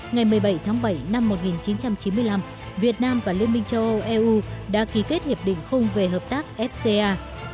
ngày một mươi bảy tháng bảy năm một nghìn chín trăm chín mươi năm việt nam và liên minh châu âu eu đã ký kết hiệp định khung về hợp tác fca